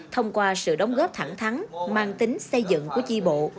thông qua sự đóng góp thẳng thắng mang tính xây dựng của chi bộ